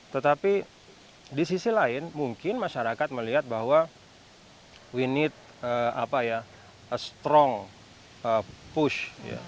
tetapi di sisi lain mungkin masyarakat melihat bahwa we need a strong push